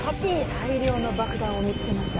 大量の爆弾を見つけました。